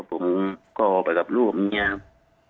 ผมก็ออกไปกับลูกมันเนี่ยครับ